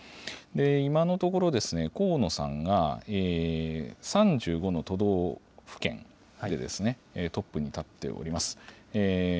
今のところ、河野さんが３５の都道府県でトップに立っております。